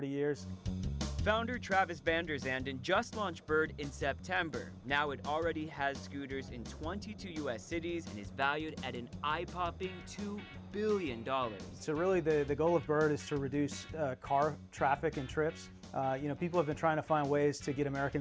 jadi kami bekerja bersama mereka kami sebenarnya mendukung peraturan